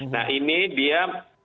nah ini dia